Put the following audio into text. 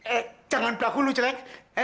eh jangan baku lo jelek